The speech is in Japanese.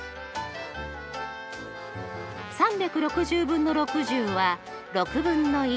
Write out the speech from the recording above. ３６０分の６０は６分の１。